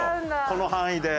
この範囲で。